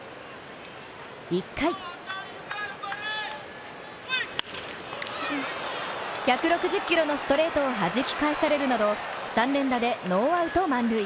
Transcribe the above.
１回、１６０キロのストレートをはじき返されるなど３連打でノーアウト満塁。